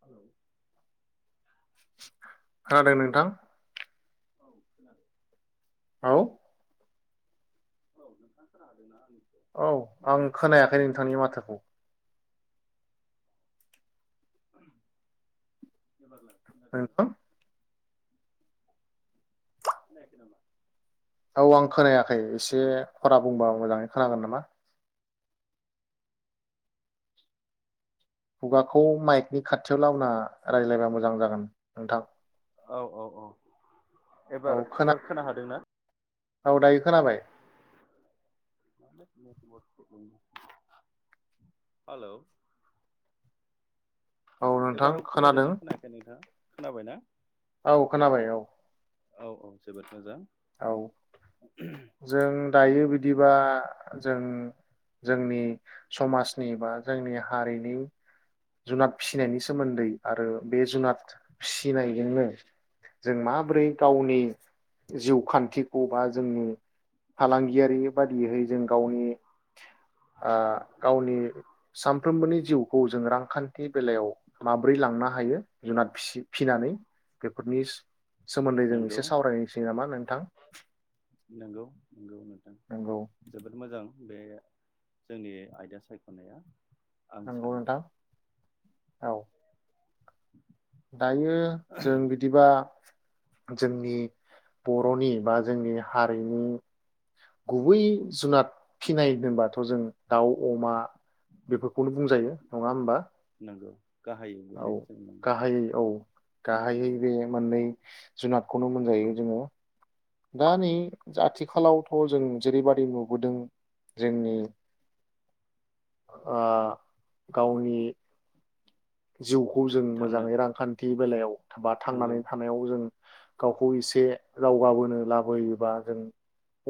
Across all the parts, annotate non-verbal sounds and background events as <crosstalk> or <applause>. Hello खोनादों नोंथां? औ खोनादों। औ औ नोंथाङा खोनादोंना? औ आं खोनायाखै नोंथांनि माथोखौ एबारलाय खोनादोंना खोनायाखै <unintelligible> खोनायाखै नामा? औ आं खोनायाखै एसे खरा बुंबा मोजांङै खोनागोन नामा खुगाखौ माइकनि खाथियाव लाबोना रायज्लायबा मोजां जागोन नोंथां औ औ औ एबार एबार खोना हादोंना? औ दायो खोनाबाय। हालौ औ नोंथां एबाराव खोनादों खोनादोना खोनायाखै नोंथां खोनाबायना औ खोनाबाय औ औ औ जोबोद मोजां। औ जों दायो बिदि दिबा आ जों जोंनि समाजनि बा जोंनि हारिनि जुनाद फिसिनायनि सोमोन्दै आरो बे जुनाद फिसिनायजोंनो जों माबोरै गावनि जिउ खान्थिखौ बा जोंनि फालांगियारि बादियै जों गावनि आ गावनि सानफ्रोमबोनि जिउ गौ जों रां खान्थि बेलायाव माब्रै लांनो हायो जुनाद फिसि फिनानै बेफोरनि सोमोन्दै जों नंगौ एसे सावरायनसै नामा नोंथां नंगौ नंगौ नोंथां नंगौ जोबोद मोजां बे जोंनि आयदा सायखनाया। आं नंगौ सानो नोंथां औ <unintelligible> दायो जों बिदिबा जोंनि बर'नि बा जोंनि हारिनि गुबै जुनाद फिनाय दोनबाथ जों दाउ अमा बेफोरखौनो बुंजायो नङा होमबा? नोंगौ औ गाहायै औ गाहायै बे मोननै जुनादखौनो मोनजायो जोङो दा नै आथिखालावथ जों जेरैबाददि नुबोदों जोंनि आ गावनि जिउखौ जों थांनो मोजाङै रांखान्थि बि बेलायाव बा नंगौ थांनानै थानायाव जों गावखौ एसे दावगाबोनो लाबोयोबा जों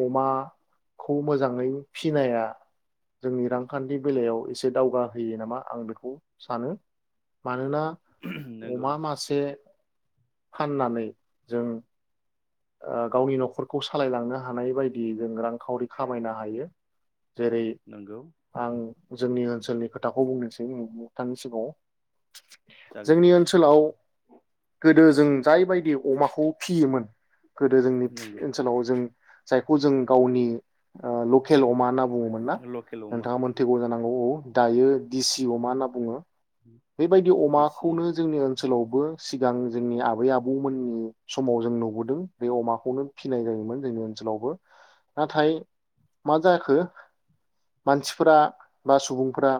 अमाखौ मोजाङै फिनाया जोंनि रांखान्थि बेलायाव एसे दावग होयो नामा आं बेखौ सानो। मानोना नंगौ अमा मासे फाननानै जों आ गावनि न'खरखौ सालायलांनो हानाय बायदियै जों रांखावरि आंखामायनो हायो। जेरै नंगौ आं जोंनि ओनसोलनि खोथाखौ बुंनोसै नोंथांनि सिगाङाव जागोन जोंनि ओनसोलाव गो दो जों जायबायदि अमाखौ फिसियोमोन गोदो जोंनि नंगौ ओनसोलाव जों जायखौ जों गावनि अ लकेल अमा ना बुंङोमोनना लकेल अमा नोंथाङा मोनथिगौ जानां औ औ दायो दिसि अमा होनना बुङो। बेबायदि देसि अमाखौनो जोंनि ओनसोलावबो सिगां जोंनि आबै आबौमोननि समाव जों नुबोदों बे अमाखौनो फिनाय जायोमोन जोंनि ओनसोलावबो नाथाय मा जाखो मानसिफोरा बा सुबुंफोरा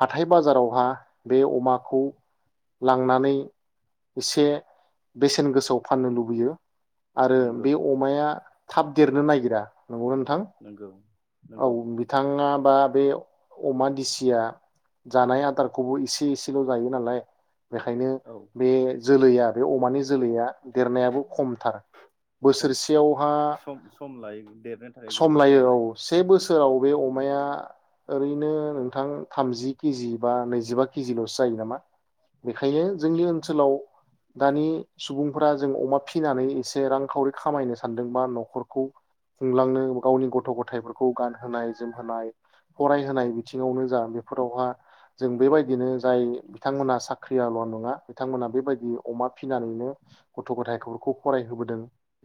हाथाय बाजारावहा बे अमाखौ लांनानै इसे बेसेन गोसायाव फाननो लुबैयो आरो नंगौ बे अमाया थाब देरनो नागिरा नंगौना नोंथां नंगौ औ नंगौ बिथाङा बा बे अमा दिसिया जानाय आदार खौबो इसे इसेल जायो नालाय बेखायनो औ बे जोलैया बे अमानि जोलैया देरनायाबो खमथार खम बोसोरसेयावहा सम सम लायो देरनो थाखाय सम गोबाव लायो औ से बोसोराव बे अमाया ओरैनो नोंथां थामजि केजि बा नै जिबा केजिलसो जायो नामा बेखायनो जोंनि ओनसोलाव दानि सुबुंफोरा जों अमा फिनानै इसे रांखावरि खामायनो सानदोंबा नखरखौ खुंलांनो गावनि गथ गथायफोरखौ गानहोनाय जोमहोनाय औ फरायहोनाय बिथिङावनो जा बेफोरावहा जों बेबायदिनो जाय बिथांमोना साख्रियाल' नङा बिथांमोना बेबायदि अमा फिनानैनो गथ'गथायफोरखौ फरायहोबोदों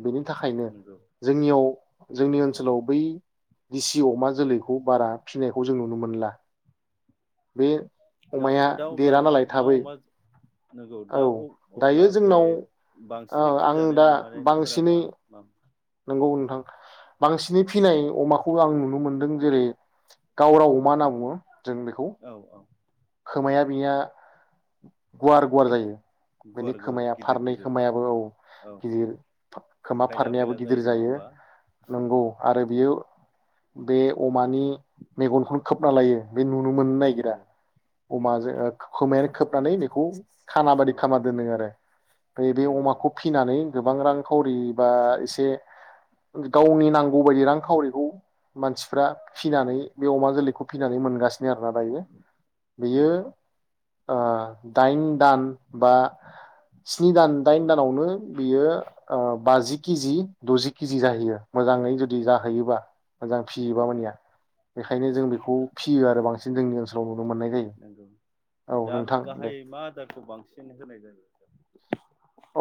बेनि थाखायनो नंगौ जोंनियाव जोंनि ओनसोलाव बै दिसि अमा जोलैखौ बारा फिनायखौ जों नुनो मोनला बे दा अमाया दा अब्ला देरा मा नालाय मा थाबै अमा नंगौ औ दा दायो अ-अब्ला बे जोंनाव ओ बांसिनै आं फिजानाय अमाफोरा मा मा? नोंगौ नोंथां बांसिनै फिनाय अमाखौ आं नुनो मोनदों जेरै गावराव मा होनना बुङो जों बेखौ औ औ खोमाया बिनिया- गुवार गुवार जायो बेनि गुवार गुवार खोमाया गिदिर फारनै गिदिर खोमायाबो औ औ गिदिर खोमा फायला फारनैयाबो फायला गिदिर नङा जायो होमबा नंगौ आरो बियो बे अमानि मेगनखौनो खोबना लायो। बे नुनो मोननो नागिरा नंगौ अमाजो खोमायानो खोबनानै बेखौ खाना बादि औ खामना दोनो आरो ओमफाय बे नंगौ अमाखौ फिनानै गोबां रां खावरि बा इस <unintelligible> गावनि नांगौ बायदि रांखावरिखौ मानसिफ्रा फिनानै बे अमा जोलैखौ फिनानै मोनगासिनो आरोना दायो बेयो नंगौ ओ दाइन दान बा स्नि दान, द दाइन दानावनो बियो ओ बाजि किजि दजि किजि जाहैयो। मोजाङै जुदि औ जाहैयोबा मोजां फियोबा नंगौ मानिया बेखायनो जों बेखौ फियो आरो बांसिन जोंनि ओनसोलाव नुनो मोननाय जायो, नंगौ औ दा नोंथां दे। गाहायै मा आदारखौ बांसिन होनाय जायो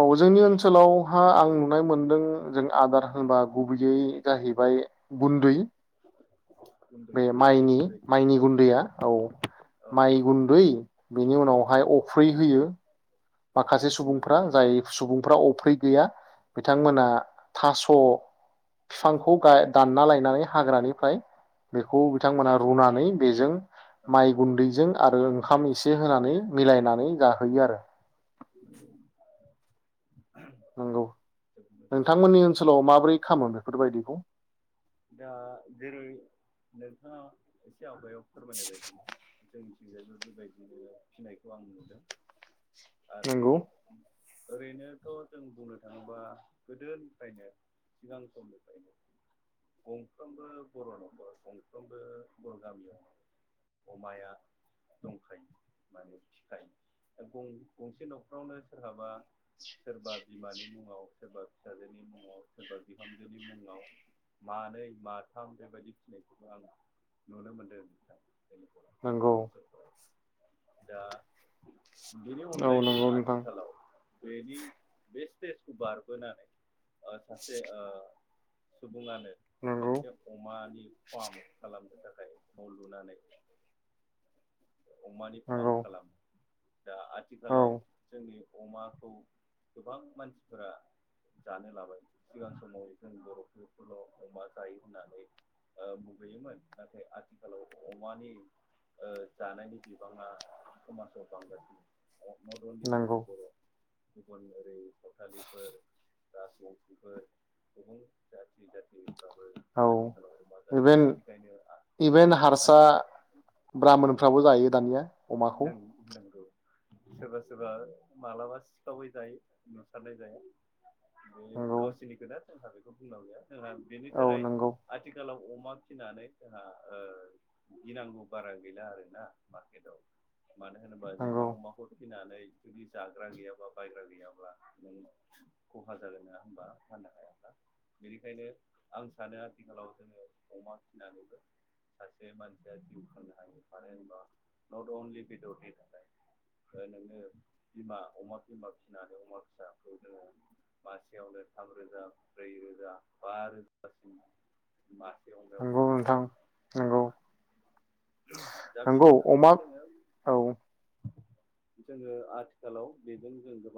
औ जोंनि ओनसोलावहा आं नुनाय मोनदों जों आदार होनबा गुबैयै जाहैबाय गुन्दै गुन्दै बे माइनि गुन्दै माइनि गुन्दैया औ औ माइ गुन्दै बेनि उनावहाय अ फै होयो। माखासे अफ्रि सुबुंफ्रा मोनोना जाय सुबुंफ्रा अफ्रि गैया बिथांमोना औ थास' फिफांखौ थास' गाय दानो दानना लायनानै हाग्रानिफ्राय बेखौ औ बिथांमोना रुनानै बेजों जोबोद माइ गुन्दैजों आरो ओंखाम एसे होनानै मिलायना नै जाहोयो आरो। नंगौ मोजां नोंथांमोननि ओनसोलाव माबोरै खामो बेफोरबायदिखौ? दा जेरै नोंथाङा एसे आवगायाव फोरमायनाय बायदि जोंनि <unintelligible> बेबायदिनो फिनायखौ आं नुदों। आरो नंगौ ओरैनोथ' जों बुंनो थाङोबा गोदोनिफ्रायनो सिगां समनिफ्रायनो गंफ्रोमबो बर' नखर गंफ्रोमबो बर' गामियाव अमाया दंखायो माने फिखायो दा गं-गंसे नखरावनो सोरहाबा सोरबा बिमानि मुङाव सोरबा फिसाजोनि मुङाव सोरबा बिहामजोनि मुङाव मानै माथाम बेबायदि फिनायखौबो आं नुनो मोनदों नोंथां। जोंनि बर' नोंगौ। ओनसोलफोराव दा बिनि औ अनगायैबो नंगौ नोंथां आथिखालाव बेनि बे स्टेजखौ बारबोनानै ओ सासे ओ सुबुङानो नंगौ मोनसे अमानि फार्म खालामनो था खाय न' लुनानै अमानि फार्म नंगौ खालामो। दा औ आथिखालाव जोंनि अमाखौ गोबां मानसिफोरा जानो लाबाय सिगां समाव जों बर'फोरखौल' अमा जायो होननानै ओ मुगैयोमोन नाथाय आथिखालाव अमानि ओ जानायनि बिबाङा समाजाव बांगासिनो। नट अनलि जोंनि नंगौ बर' गुबुन ओरै सावथालिफोर राजबंसिफोर गुबुन जाथि जाथि औ इभेन बेनिखायनो इभेन हारसा आथिखाल ब्रामोनफ्राबो बयबो जायो दानिया अमाखौ नों नोंगौ सोरबा सोरबा मालाबा सिखावै जायो नुसारनाय जाया। नंगौ गावसिनि खोथा। जोंहा बेखौ बुंनांगौ गैया। जोंहा बेनि औ थाखाय नंगौ आथिखालाव अमा मा फिनानै जोंहा ओ गिनांगौ बारा गैला आरोना मारकेटाव मानो होनोबा नोंथां नंगौ अमाखौ। नानै जुदि जाग्रा गैयाब्ला बायग्रा गैयाब्ला नों खहा जागोन नङा होनबा फाननो हायाब्ला बेनिखायनो आं सानो आथिखालाव जोङो अमा फिसिनानैबो सासे मानसिया जिउ खांनो हायो मानो होनबा नट अनलि बेदरनि थाखाय नोङो बिमा अमा बिमा फिसिनानै अमा फिसाखौ जोङो मासेयावनो थामरोजा ब्रैरोजा बा रोजासिम मासेयावनो। ओ नोंथां नंगौ। दा नंगौ। बिनि थाखायनो अमा जोङो औ। जोङो आथिखालाव बेजों जों गोबां